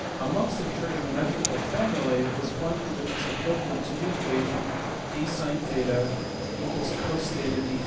Amongst the trigonometrical formulae is one which is equivalent to the equation d (sin 0) = cos dO.